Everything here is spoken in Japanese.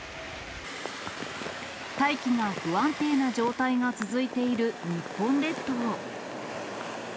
大気が不安定な状態が続いている日本列島。